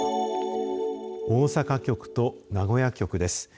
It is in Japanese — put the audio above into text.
大阪局と名古屋局です。